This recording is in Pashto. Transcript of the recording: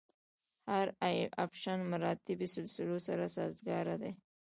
هر اپشن مراتبي سلسلو سره سازګاره دی.